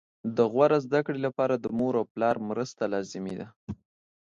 د غوره زده کړې لپاره د مور او پلار مرسته لازمي ده